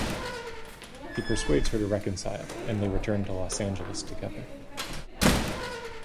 He persuades her to reconcile, and they return to Los Angeles together.